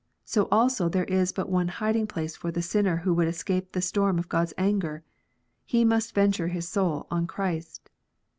So also there is but one hiding place for the sinner who would escape the storm of God s anger ; he must venture his soul on Christ.